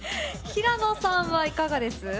平野さんはいかがです？